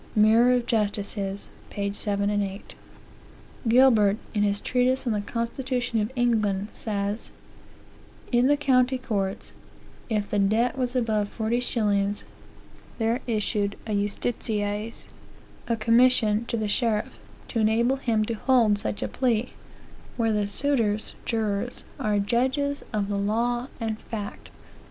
Mirror of Justices, p. 7, 8. Gilbert, in his treatise on the Constitution of England, says: "In the county courts, if the debt was above forty shillings, there issued a justicies (a commission) to the sheriff, to enable him to hold such a plea, where the suitors (jurors) are judges of the law and fact."